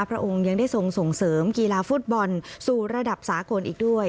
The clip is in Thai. พระองค์ยังได้ทรงส่งเสริมกีฬาฟุตบอลสู่ระดับสากลอีกด้วย